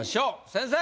先生！